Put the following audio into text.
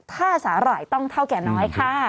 ถ้าสาหร่ายต้องเท่าแก่น้อยค่ะ